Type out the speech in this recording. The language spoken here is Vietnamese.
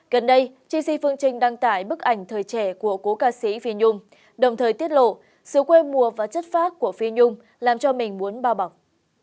gần đây chi si phương trinh đăng tải bức ảnh thời trẻ của cô ca sĩ phi nhung đồng thời tiết lộ sự quê mùa và chất phác của phi nhung làm cho mình muốn bao bọc